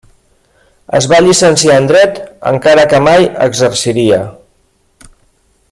Es va llicenciar en Dret, encara que mai exerciria.